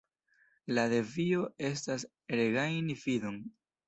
la defio estas regajni fidon”.